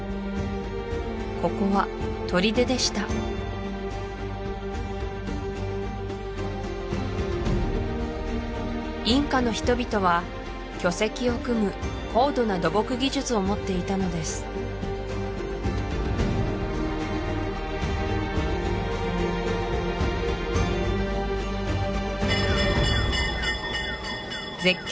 ここはとりででしたインカの人々は巨石を組む高度な土木技術を持っていたのです絶景